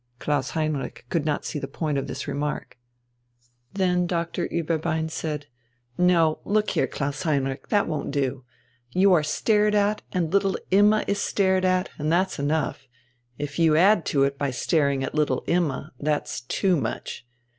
Klaus Heinrich could not see the point of this remark. Then Doctor Ueberbein said: "No, look here, Klaus Heinrich, that won't do. You are stared at, and little Imma is stared at, and that's enough. If you add to it by staring at little Imma, that's too much.